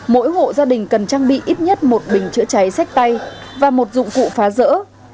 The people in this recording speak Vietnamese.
mỗi hộ gia đình cần trang bị ít nhất một bình chữa cháy sách tay và một dụng cụ phá rỡ